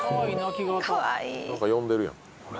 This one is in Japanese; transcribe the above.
何か呼んでるやん。